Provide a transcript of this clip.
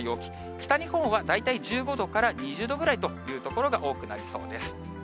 北日本は大体１５度から２０度ぐらいという所が多くなりそうです。